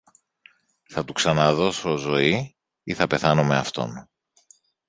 θα του ξαναδώσω ζωή ή θα πεθάνω με αυτόν.